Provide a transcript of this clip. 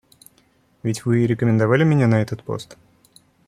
Ведь вы и рекомендовали меня на этот пост.